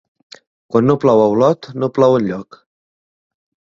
Quan no plou a Olot no plou enlloc.